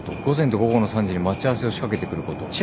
午前と午後の３時に待ち合わせを仕掛けてくること。